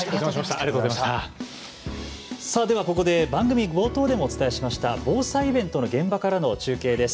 では、ここで番組冒頭でもお伝えした防災イベントの現場からの中継です。